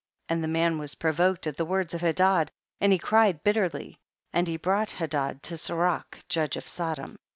33. And the man was provoked at the words of Hedad, and he cried bitterly, and he brought Hedad to Serak judge of Sodom.